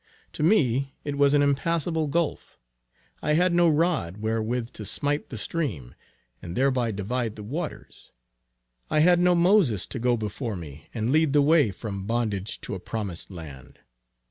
To me it was an impassable gulf. I had no rod wherewith to smite the stream, and thereby divide the waters. I had no Moses to go before me and lead the way from bondage to a promised land.